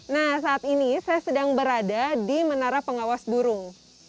nah saat ini saya sedang berada di menara pengawas burung